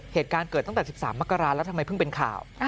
เหตุการณ์เกิดตั้งแต่๑๓มกราศแล้วทำไมเพิ่งเป็นข่าว